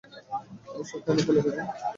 এসব কেন করলে তুমি?